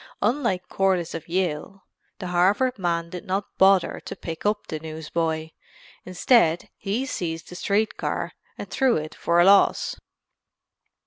Unlike Corliss of Yale, the Harvard man did not bother to pick up the newsboy. Instead he seized the street car and threw it for a loss.